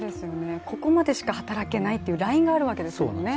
ここまでしか働けないというラインがあるわけですもんね。